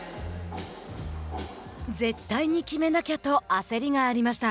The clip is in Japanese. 「絶対に決めなきゃ」と焦りがありました。